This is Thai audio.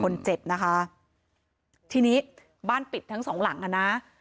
คนเจ็บนะคะทีนี้บ้านปิดทั้งสองหลังอ่ะนะ